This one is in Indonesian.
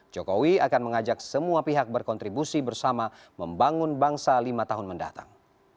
jokowi akan mengajak semua pihak berkontribusi bersama membangun bangsa lima tahun mendatang